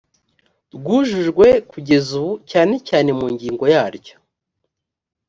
ryujujwe kugeza ubu cyane cyane mu ngingo yaryo